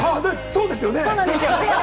そうですよね。